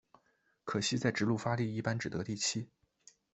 可惜在直路发力一般只得第七。